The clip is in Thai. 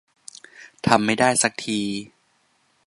ทำไม่ได้สักที